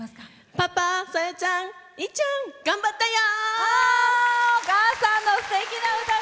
パパ、さえちゃんいっちゃん、頑張ったよ！